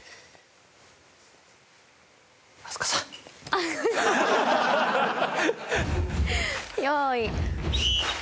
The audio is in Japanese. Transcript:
あっ。用意。